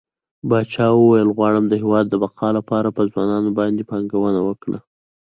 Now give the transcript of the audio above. پاچا وويل غواړم د هيواد د بقا لپاره په ځوانانو باندې پانګونه وکړه.